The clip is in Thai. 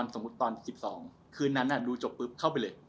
ตอน๑๒คืนนั้นดูจบปุ๊บเข้าไปเลย